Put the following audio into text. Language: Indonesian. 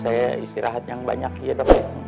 saya istirahat yang banyak ya tapi